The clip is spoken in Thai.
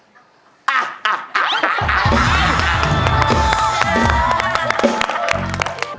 อะอะอะ